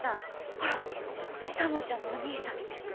ほら勇ちゃんのお兄さん。